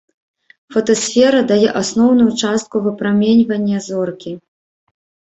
Фотасфера дае асноўную частку выпраменьвання зоркі.